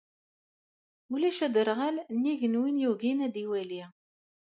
Ulac aderɣal nnig n win yugin ad iwali.